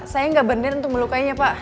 saya nggak bener untuk melukainya pak